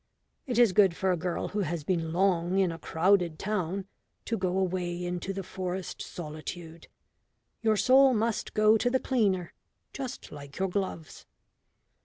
It is good for a girl who has been long in a crowded town to go away into the forest solitude. Your soul must go to the cleaner, just like your gloves.